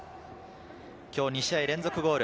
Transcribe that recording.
今日２試合連続ゴール。